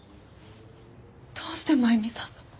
どうして真弓さんが？